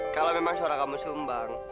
kalau memang suara kamu sumbang